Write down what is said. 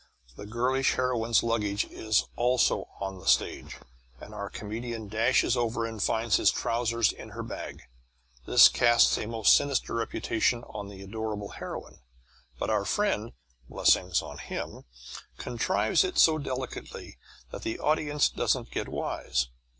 The girlish heroine's luggage is also on the stage, and our comedian dashes over and finds his trousers in her bag. This casts a most sinister imputation on the adorable heroine, but our friend (blessings on him) contrives it so delicately that the audience doesn't get wise.